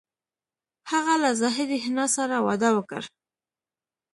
هغه له زاهدې حنا سره واده وکړ